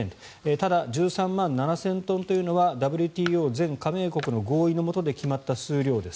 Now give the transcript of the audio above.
ただ１３万７０００トンというのはＷＴＯ全加盟国の合意のもとで決まった数量です。